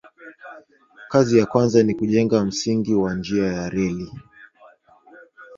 Kazi ya kwanza ni kujenga msingi wa njia ya reli.